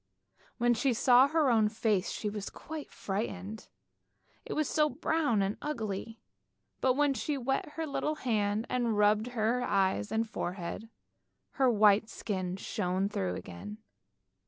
When she saw her own face she was quite frightened, it was so brown and ugly, but when she wet her little hand and rubbed her eyes and forehead, her white skin shone through again.